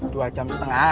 dua jam setengah